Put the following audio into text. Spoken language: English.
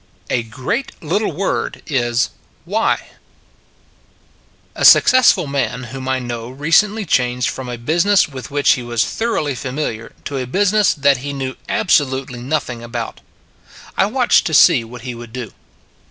A GREAT LITTLE WORD IS " WHY " A SUCCESSFUL man whom I know recently changed from a business with which he was thoroughly familiar to a business that he knew absolutely nothing about. I watched to see what he would do.